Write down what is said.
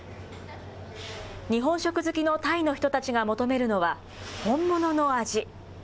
日本食好きのタイの人たちが求めるのは、本物の味。